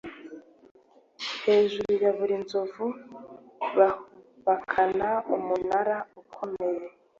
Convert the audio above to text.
hejuru ya buri nzovu bahubakaga umunara ukomeye